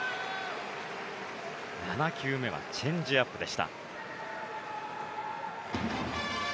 ７球目はチェンジアップでした。